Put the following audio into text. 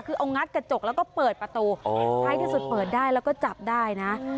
คือเอางัดกระจกแล้วก็เปิดประตูท้ายที่สุดเปิดได้แล้วก็จับได้นะ